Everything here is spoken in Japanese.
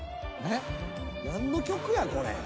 何の曲やこれ？